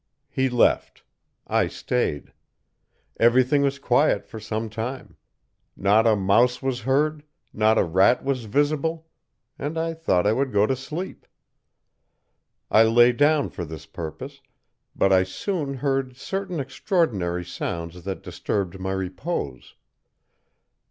"He left; I staid. Everything was quiet for some time. Not a mouse was heard, not a rat was visible, and I thought I would go to sleep. "I lay down for this purpose, but I soon heard certain extraordinary sounds that disturbed my repose.